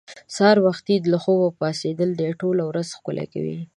سهار وختي له خوبه پاڅېدل دې ټوله ورځ ښکلې کوي.